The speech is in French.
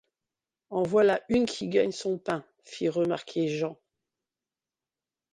En voilà une qui gagne son pain! fit remarquer Jean.